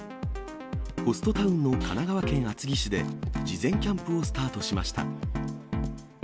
ホストタウンの神奈川県厚木市で、事前キャンプをスタートしました。